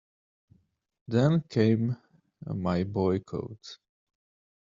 Then came my boy code.